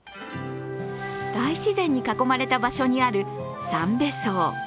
大自然に囲まれた場所にあるさんべ荘。